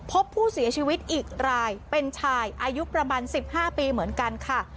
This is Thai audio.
พบผู้เสียชีวิตอีกรายเป็นชายอายุประมาณ๑๕ปีเหมือนกันค่ะ